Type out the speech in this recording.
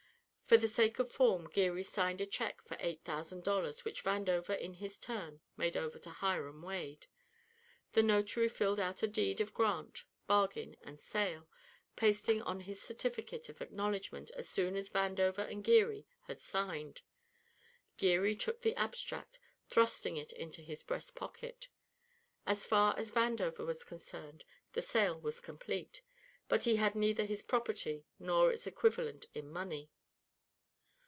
For the sake of form Geary signed a check for eight thousand dollars which Vandover in his turn made over to Hiram Wade. The notary filled out a deed of grant, bargain, and sale, pasting on his certificate of acknowledgment as soon as Vandover and Geary had signed. Geary took the abstract, thrusting it into his breast pocket. As far as Vandover was concerned, the sale was complete, but he had neither his properly nor its equivalent in money.